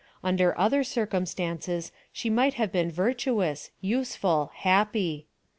Under other circumstances she might have been virtuous, useful, happy.